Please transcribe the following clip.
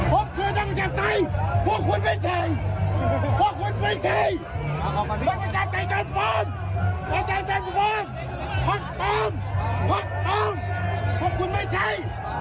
ปล่อมปล่อมต้องไว้ด้านในต้องไป